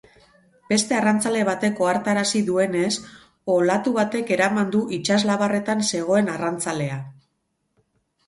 Beste arrantzale batek ohartarazi duenez, olatu batek eraman du itsaslabarretan zegoen arrantzalea.